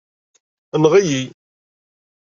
Enɣ-iyi.